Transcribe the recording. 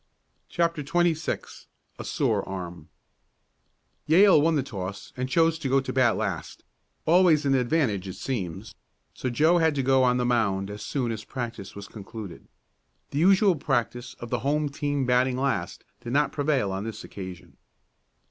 CHAPTER XXVI A SORE ARM Yale won the toss and chose to go to the bat last always an advantage it seems so Joe had to go on the mound as soon as practice was concluded. The usual practice of the home team batting last did not prevail on this occasion.